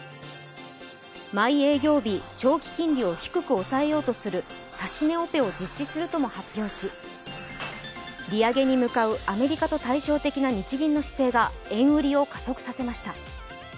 毎営業日、長期金利を低く抑えようとする指し値オペを実施するとも発表し利上げに向かう、アメリカと対照的な日銀の姿勢が円売りを加速させました。